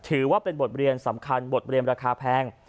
ถือว่าเป็นบทเรียนสำคัญบทเรียนราคาแพง